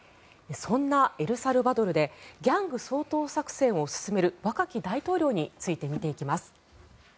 そんなエルサルバドルでギャング掃討作戦を進める若き大統領について見ていきます。